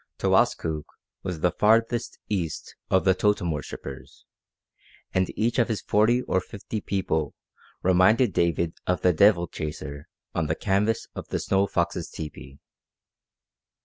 Towaskook was the "farthest east" of the totem worshippers, and each of his forty or fifty people reminded David of the devil chaser on the canvas of the Snow Fox's tepee.